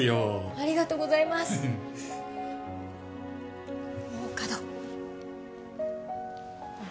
ありがとうございます大加戸